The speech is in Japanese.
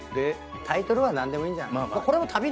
タイトルは何でもいいんじゃない。